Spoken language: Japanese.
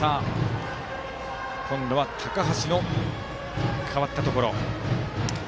今度は高橋の代わったところ。